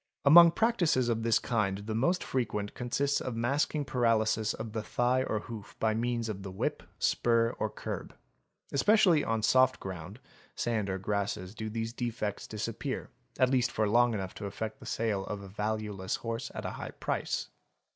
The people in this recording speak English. ! Among practices of this kind the most frequent consists in masking paralysis of the thigh or hoof by means of the whip, spur, or curb. Especially on soft ground (sand or grass) do these defects disappear, at — least for long enough to effect the sale of a valueless horse at a high price.